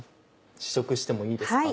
試食してもいいですか？